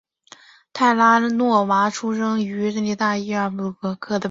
泰拉诺娃出生于义大利托斯卡尼的。